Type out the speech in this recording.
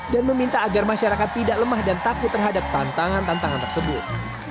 dan meminta agar masyarakat tidak lemah dan takut terhadap tantangan tantangan tersebut